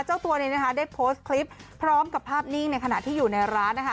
เจ้าตัวนี้นะคะได้โพสต์คลิปพร้อมกับภาพนิ่งในขณะที่อยู่ในร้านนะคะ